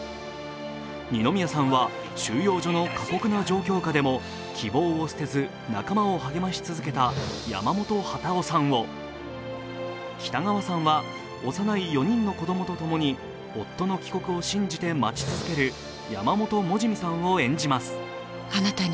二宮さんは収容所の過酷な状況下でも希望を捨てず仲間を励まし続けた山本幡男さんを、北川さんは、幼い４人の子どもとともに夫の帰国を信じて待ち続ける山本モジミさんを演じます。